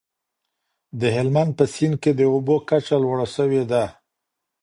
د هلمند په سیند کي د اوبو کچه لوړه سوې ده.